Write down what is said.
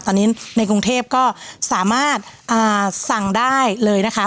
ตอนนี้ในกรุงเทพก็สามารถสั่งได้เลยนะคะ